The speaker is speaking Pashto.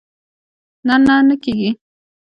نه، نه کېږي